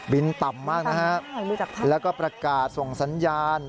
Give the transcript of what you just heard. ต่ำมากนะฮะแล้วก็ประกาศส่งสัญญาณ